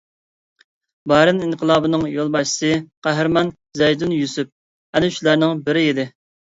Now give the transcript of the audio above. بارىن ئىنقىلابىنىڭ يولباشچىسى قەھرىمان زەيدىن يۈسۈپ ئەنە شۇلارنىڭ بىرى ئىدى.